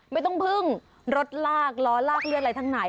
ไม่ต้องพึ่งรถลากล้อลากเลือดอะไรทั้งไหน